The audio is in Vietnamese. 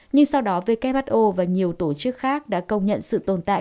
nhưng sau đó who và nhiều tổ chức khác đã công nhận sự tồn tại